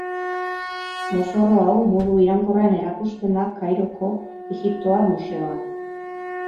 Mozorro hau modu iraunkorrean erakusten da Kairoko Egiptoar Museoan